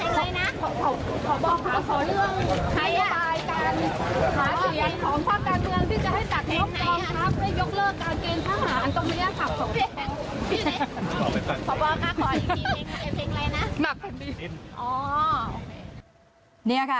สวัสดีครับ